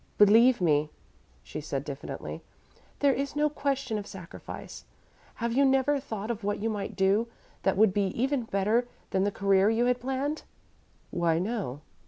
"Believe me," she said diffidently, "there is no question of sacrifice. Have you never thought of what you might do, that would be even better than the career you had planned?" "Why, no.